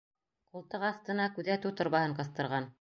Ҡултыҡ аҫтына күҙәтеү торбаһын ҡыҫтырған.